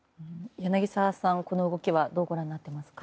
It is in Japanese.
柳澤さん、この動きはどうご覧になっていますか。